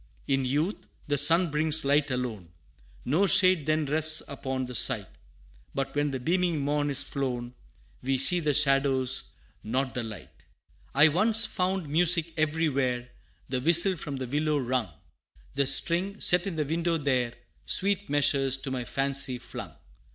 In youth, the sun brings light alone No shade then rests upon the sight But when the beaming morn is flown, We see the shadows not the light I once found music every where The whistle from the willow wrung The string, set in the window, there, Sweet measures to my fancy flung.